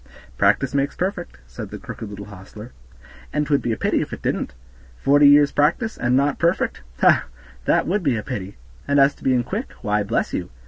"Practice makes perfect," said the crooked little hostler, "and 'twould be a pity if it didn't; forty years' practice, and not perfect! ha, ha! that would be a pity; and as to being quick, why, bless you!